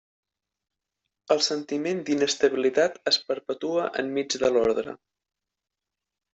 El sentiment d'inestabilitat es perpetua enmig de l'ordre.